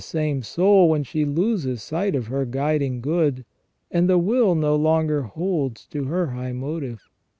209 same soul when she loses sight of her guiding good, and the will no longer holds to her high motive.